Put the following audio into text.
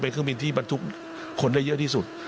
เครื่องบินที่บรรทุกคนได้เยอะที่สุด